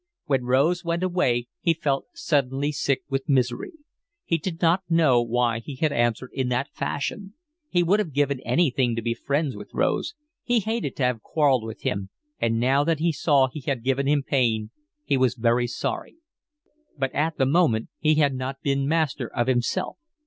When Rose went away he felt suddenly sick with misery. He did not know why he had answered in that fashion. He would have given anything to be friends with Rose. He hated to have quarrelled with him, and now that he saw he had given him pain he was very sorry. But at the moment he had not been master of himself.